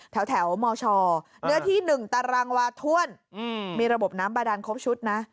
แถวมชเนื้อที่๑ตารางวาถ้วนมีระบบน้ำบาดานครบชุดนะ